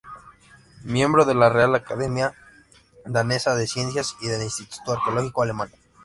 Miembro de la Real Academia Danesa de Ciencias y del Instituto Arqueológico Alemán.